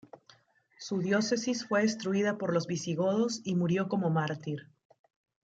Su diócesis fue destruida por los visigodos y murió como mártir.